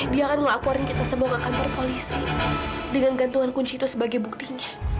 dia akan melaporin kita semua ke kantor polisi dengan gantungan kunci itu sebagai buktinya